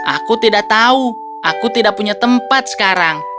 aku tidak tahu aku tidak punya tempat sekarang